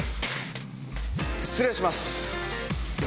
失礼します。